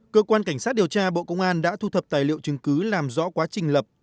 cơ quan cảnh sát điều tra bộ công an đã thu thập tài liệu chứng cứ làm rõ quá trình lập